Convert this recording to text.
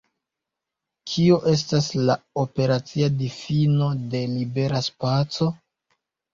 Kio estas la operacia difino de libera spaco?